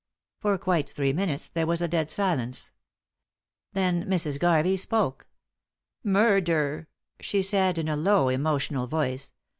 For quite three minutes there was a dead silence. Then Mrs. Garvey spoke. "Murder," she said, in a low emotional voice.